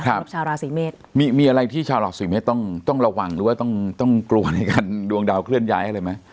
สำหรับชาวราศีเมษมีมีอะไรที่ชาวราศีเมษต้องต้องระวังหรือว่าต้องต้องกลัวในการดวงดาวเคลื่อนย้ายอะไรไหม